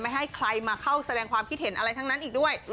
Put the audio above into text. ให้ใครมาเข้าแสดงความคิดเห็นอะไรทั้งนั้นอีกด้วย